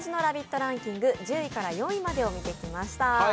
ランキング、１０位から４位までを見てきました。